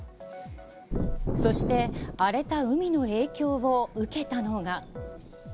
そして荒れた海の影響を受けたのが。